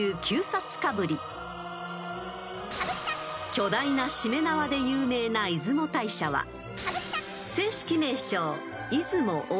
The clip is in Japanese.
［巨大なしめ縄で有名な出雲大社は正式名称］